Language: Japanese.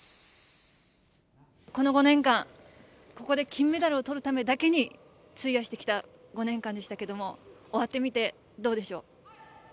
この５年間、ここで金メダルをとるためだけに費やしてきた５年間でしたけれども、終わってみてどうでしょう？